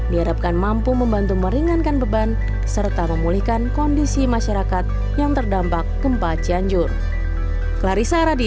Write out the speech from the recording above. diharapkan mampu membantu meringankan beban serta memulihkan kondisi masyarakat yang terdampak gempa cianjur